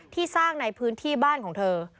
ที่สร้างในพื้นที่บ้านของเธอ